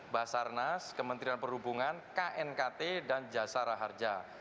basarnas kementerian perhubungan knkt dan jasara harja